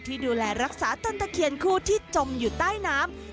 ที่ดูแลรักษาต้นตะเคียนคู่ที่จมอยู่ใต้น้ำ